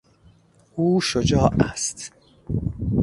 او شجاع است.